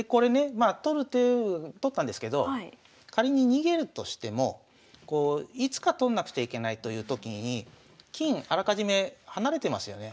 まあ取ったんですけど仮に逃げるとしてもいつか取んなくちゃいけないというときに金あらかじめ離れてますよね。